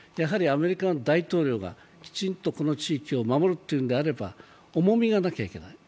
アメリカの大統領がきちんとこの地域を守るというのであれば重みがなきゃいけない。